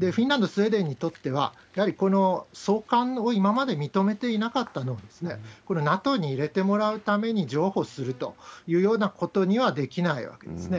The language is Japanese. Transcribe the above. フィンランド、スウェーデンにとっては、やはりこの送還を今まで認めていなかったのは、これはＮＡＴＯに入れてもらうために譲歩するというようなことにはできないわけですね。